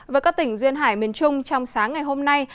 với các tỉnh duyên hải miền trung trong sáng ngày hôm nay